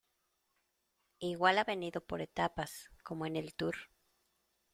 igual ha venido por etapas, como en el tour.